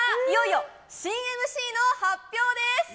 いよいよ新ＭＣの発表です。